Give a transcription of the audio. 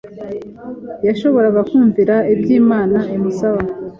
yashoboraga kumvira iby’Imana imusaba.